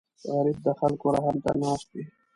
غریب د خلکو رحم ته ناست وي